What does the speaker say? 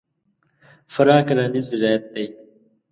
فراه کرهنیز ولایت دی.